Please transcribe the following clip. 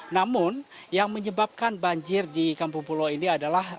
namun yang menyebabkan banjir di kampung pulau ini adalah